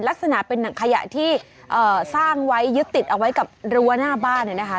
ลักษณะเป็นหนังขยะที่สร้างไว้ยึดติดเอาไว้กับรั้วหน้าบ้านเนี่ยนะคะ